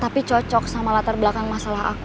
tapi cocok sama latar belakang masalah aku